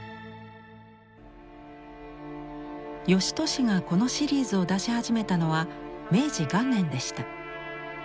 芳年がこのシリーズを出し始めたのは明治元年でした。